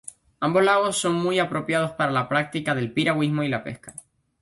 Ambos lagos son muy apropiados para la práctica del piragüismo y la pesca.